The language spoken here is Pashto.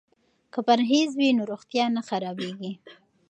که پرهیز وي نو روغتیا نه خرابیږي.